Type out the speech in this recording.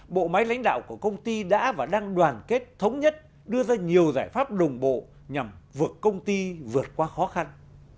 bộ máy lãnh đạo của công ty đã và đang đoàn kết thống nhất đưa ra nhiều giải pháp đồng bộ nhằm vực công ty vượt qua khó khăn